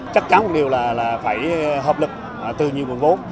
chắc chắn một điều là phải hợp lực từ nhiều nguồn vốn